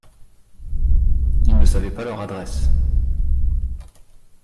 Il ne savait pas leur adresse.